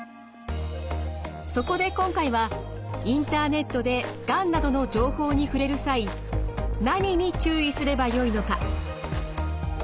そこで今回はインターネットでがんなどの情報に触れる際何に注意すればよいのか。